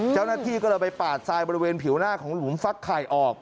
เจ้าหน้าที่ก็เลยไปปาดทรายบริเวณผิวหน้าของหลุมฟักไข่ออก